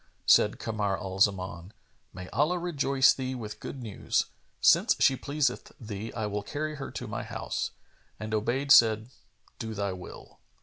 Said Kamar al Zaman, "May Allah rejoice thee with good news! Since she pleaseth thee, I will carry her to my house;" and Obayd said, "Do thy will."